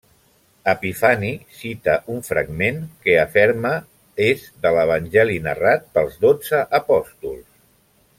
Epifani cita un fragment que aferma és de l'evangeli narrat pels dotze apòstols.